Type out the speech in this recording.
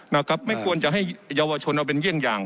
นะครับไม่ควรจะให้เยาวชนเอาเป็นเยี่ยงอย่าง